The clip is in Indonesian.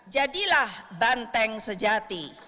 jadilah banteng sejati